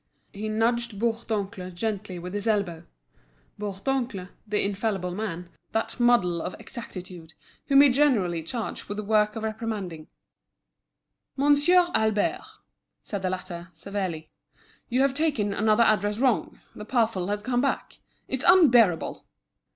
He nudged Bourdoncle gently with his elbow—Bourdoncle, the infallible man, that model of exactitude, whom he generally charged with the work of reprimanding. "Monsieur Albert," said the latter, severely, "you have taken another address wrong; the parcel has come back. It's unbearable!"